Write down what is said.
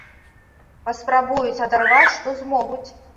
Паспрабуюць адарваць, што змогуць.